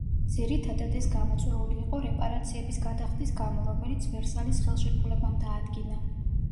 ძირითადად, ეს გამოწვეული იყო რეპარაციების გადახდის გამო, რომელიც ვერსალის ხელშეკრულებამ დაადგინა.